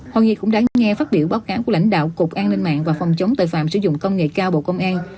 hội nghị cũng đáng nghe phát biểu báo cáo của lãnh đạo cục an ninh mạng và phòng chống tội phạm sử dụng công nghệ cao bộ công an